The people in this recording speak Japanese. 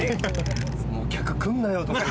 もう客来んなよと思って。